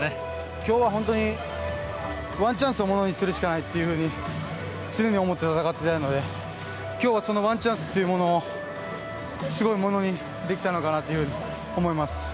今日は、本当にワンチャンスをものにするしかないって常に思って戦っていたので今日はそのワンチャンスというものをすごくものにできたのかなと思います。